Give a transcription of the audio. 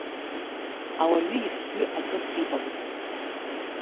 Ауаҩы ифҩы акыртә иҟамызт.